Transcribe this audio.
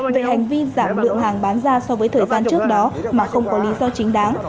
về hành vi giảm lượng hàng bán ra so với thời gian trước đó mà không có lý do chính đáng